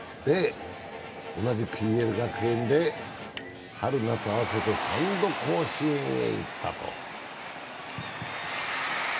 同じＰＬ学園で春夏合わせて３度、甲子園へ行ったと。